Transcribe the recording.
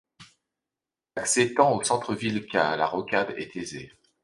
L'accès tant au centre ville qu'à la rocade est aisé.